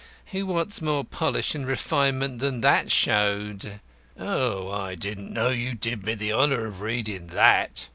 Who wants more polish and refinement than that showed?" "Ah, I didn't know you did me the honour of reading that."